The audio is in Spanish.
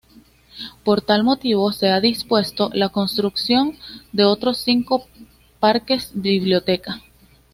Por tal motivo se ha dispuesto la construcción de otros cinco Parques Biblioteca.